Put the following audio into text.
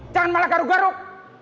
jangan malah garuk garuk